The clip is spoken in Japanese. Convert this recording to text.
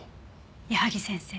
矢萩先生